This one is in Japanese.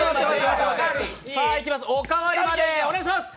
おかわり、お願いします。